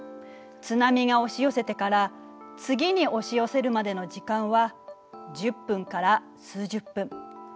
津波が押し寄せてから次に押し寄せるまでの時間は１０分から数１０分。